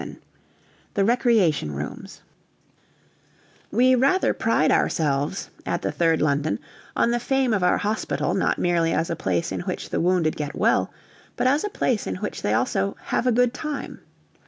XI THE RECREATION ROOMS We rather pride ourselves, at the 3rd London, on the fame of our hospital not merely as a place in which the wounded get well, but as a place in which they also "have a good time."